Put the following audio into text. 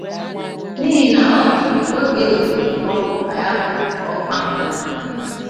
n'ihi na ọ bụ oge e wetere ọkụ ka ya bụ ọkụ ahụ màlitere.